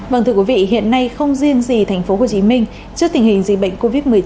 vâng thưa quý vị hiện nay không riêng gì tp hcm trước tình hình dịch bệnh covid một mươi chín